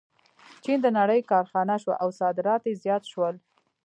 چین د نړۍ کارخانه شوه او صادرات یې زیات شول.